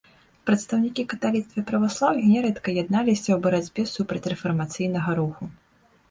Прадстаўнікі каталіцтва і праваслаўя нярэдка ядналіся ў барацьбе супраць рэфармацыйнага руху.